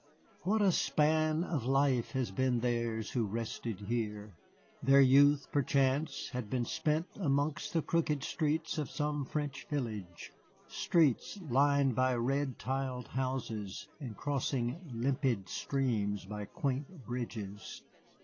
What a span of life had been theirs who rested here! Their youth, perchance, had been spent amongst the crooked streets of some French village, streets lined by red tiled houses and crossing limpid streams by quaint bridges.